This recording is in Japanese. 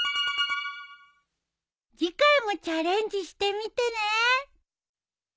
次回もチャレンジしてみてね。